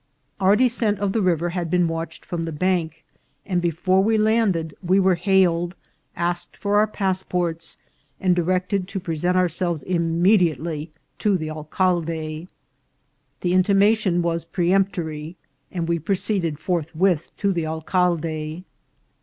Our descent of the river had been watched from the bank, and before we landed we were hailed, asked for our passports, and directed to present ourselves immediately to the alcalde. The intimation was peremptory, and we proceeded forthwith to the alcalde.